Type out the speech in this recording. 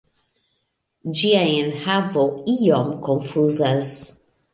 Ĝia enhavo iom konfuzas.